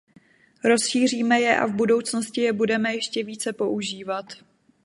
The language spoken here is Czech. Rozšíříme je a v budoucnosti je budeme ještě více používat.